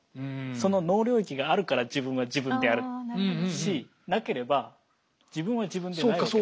その脳領域があるから自分が自分であるしなければ自分は自分ではないわけ。